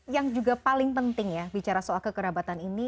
yang juga paling penting ya bicara soal kekerabatan ini